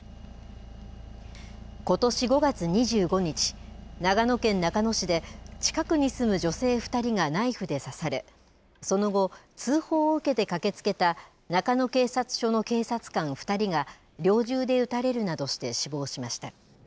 ことし５月２５日長野県中野市で近くに住む女性２人がナイフで刺されその後、通報を受けて駆けつけた中野警察署の警察官２人が猟銃で撃たれるなどして死亡しました。